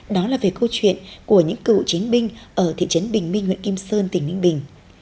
đó là về câu chuyện của những cựu chiến binh ở thị trấn bình minh huyện kim sơn tỉnh ninh bình